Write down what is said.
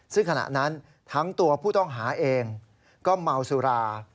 ซึ่งขณะนั้นทั้งตัวผู้ต้องหาเองก็เมาสุรา